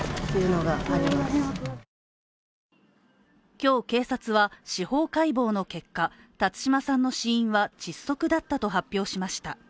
今日、警察は司法解剖の結果、辰島さんの死因は窒息だったと発表しました。